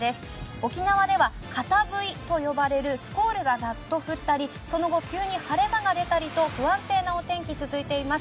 沖縄ではカタブイと呼ばれるスコールがザッと降ったりその後急に晴れ間が出たりと不安定なお天気続いています。